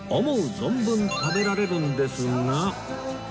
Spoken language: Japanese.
存分食べられるんですが